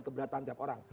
keberatan tiap orang